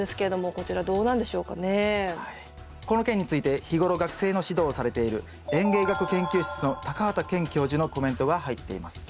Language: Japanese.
この件について日頃学生の指導をされている園芸学研究室の畑健教授のコメントが入っています。